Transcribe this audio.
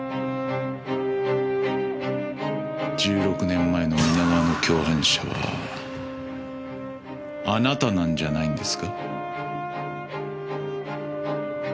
１６年前の皆川の共犯者はあなたなんじゃないんですか？